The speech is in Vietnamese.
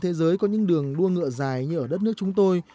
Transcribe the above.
thế giới có những đường đua ngựa dài như ở đất nước chúng tôi